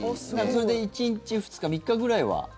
それで１日、２日３日ぐらいは？